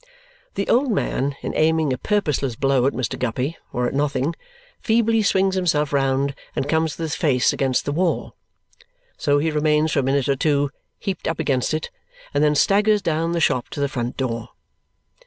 The old man, in aiming a purposeless blow at Mr. Guppy, or at nothing, feebly swings himself round and comes with his face against the wall. So he remains for a minute or two, heaped up against it, and then staggers down the shop to the front door.